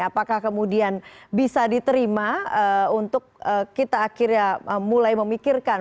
apakah kemudian bisa diterima untuk kita akhirnya mulai memikirkan